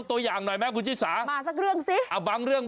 ยกตัวอย่างหน่อยไหมคุณชิสามาสักเรื่องสิ